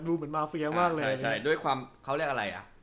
ใช่หลังจากความเก่งขัน